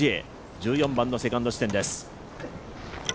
１４番のセカンド地点です。